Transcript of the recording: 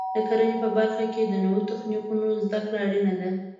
د کرنې په برخه کې د نوو تخنیکونو زده کړه اړینه ده.